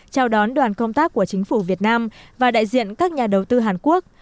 chào đón đoàn công tác của chính phủ việt nam và đại diện các nhà đầu tư hàn quốc